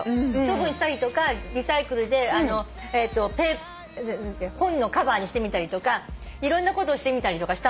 処分したりとかリサイクルで本のカバーにしてみたりとかいろんなことをしてみたりとかしたんですけど。